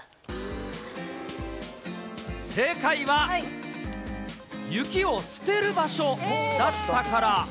正解は、雪を捨てる場所だったから。